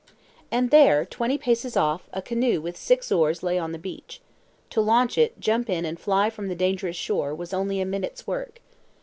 And there, twenty paces off, a canoe with six oars lay on the beach. To launch it, jump in and fly from the dangerous shore, was only a minute's work.